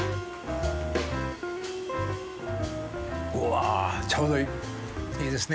うわちょうどいい！いいですね